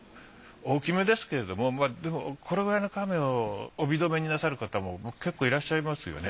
大きめですけれどもでもこれくらいのカメオを帯留めになさる方も結構いらっしゃいますよね。